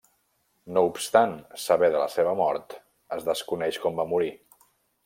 No obstant saber de la seva mort, es desconeix com va morir.